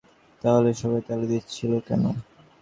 তাহলে সবাই তালি দিচ্ছিল কেন?